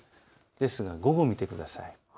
ですが、午後を見てください。